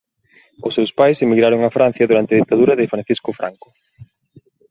Os seus pais emigraron a Francia durante a ditadura de Francisco Franco.